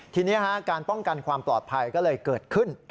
ทีนี้การป้องกันความปลอดภัยก็เลยเกิดขึ้น